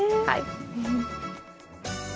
はい。